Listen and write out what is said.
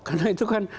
karena itu kan